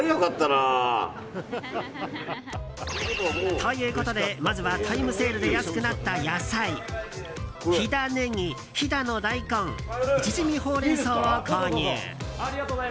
ということで、まずはタイムセールで安くなった野菜飛騨ねぎ、飛騨の大根ちぢみほうれんそうを購入。